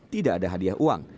tidak ada hadiah uang